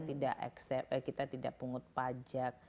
tidak kita tidak pungut pajak